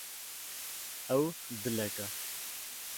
Ew dilek e.